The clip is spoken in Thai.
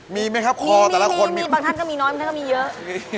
มีไหมครับคอแต่ละคนมีบางท่านก็มีน้อยบางท่านก็มีเยอะ